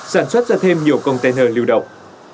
sản xuất ra thêm nhiều container lưu động